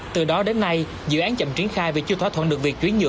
từ đó đến nay dự án chậm triển khai vì chưa thỏa thuận được việc chuyển nhựa